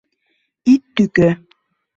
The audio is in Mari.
— Ит тӱкӧ!